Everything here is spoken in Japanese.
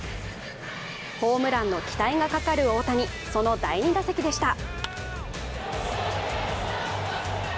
ホームランの期待がかかる大谷その第２打席でした。